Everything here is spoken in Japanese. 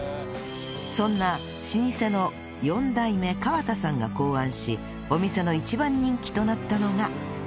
そんな老舗の４代目川田さんが考案しお店の一番人気となったのが